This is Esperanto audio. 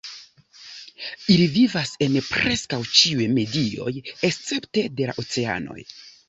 Ili vivas en preskaŭ ĉiuj medioj, escepte de la oceanoj.